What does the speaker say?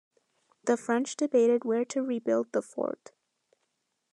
The French debated where to rebuild the fort.